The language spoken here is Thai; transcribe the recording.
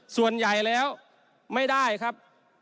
ส่วนใหญ่แล้วไม่ได้ครับ